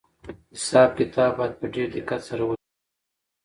حساب کتاب باید په ډېر دقت سره ولیکل شي.